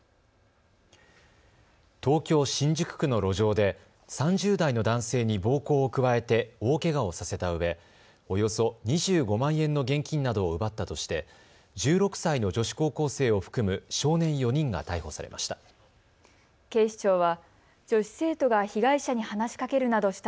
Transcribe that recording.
東京新宿区の路上で３０代の男性に暴行を加えて大けがをさせたうえおよそ２５万円の現金などを奪ったとして１６歳の女子高校生を含む少年４人が逮捕されました。